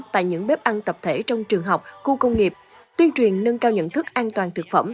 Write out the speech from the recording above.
tại những bếp ăn tập thể trong trường học khu công nghiệp tuyên truyền nâng cao nhận thức an toàn thực phẩm